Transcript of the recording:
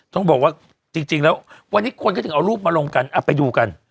ต้องบอกว่าจริงแล้ววันนี้คนก็ถึงเอารูปมาลงกันไปดูกัน